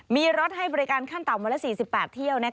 มีรถให้บริการขั้นต่ำวันละ๔๘เที่ยว